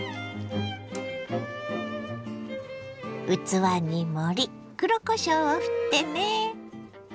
器に盛り黒こしょうをふってね。